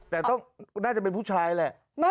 แต่ต้องน่าจะเป็นผู้ชายแหละ